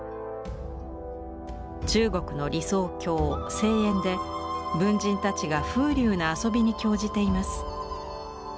中国の理想郷「西園」で文人たちが風流な遊びに興じています。